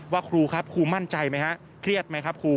ครูครับครูมั่นใจไหมฮะเครียดไหมครับครู